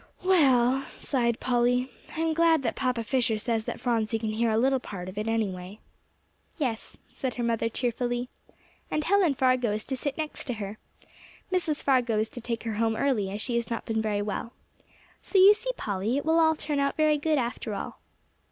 "Well," sighed Polly, "I am glad that Papa Fisher says that Phronsie can hear a little part of it, anyway." "Yes," said her mother cheerfully, "and Helen Fargo is to sit next to her. Mrs. Fargo is to take her home early, as she has not been very well. So you see, Polly, it will all turn out very good after all."